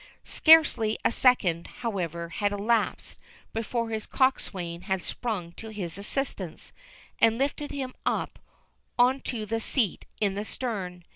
Scarcely a second, however, had elapsed before his coxswain had sprung to his assistance, and lifted him up on to the seat in the stern.